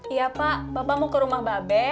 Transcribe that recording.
iya pak bapak mau ke rumah babe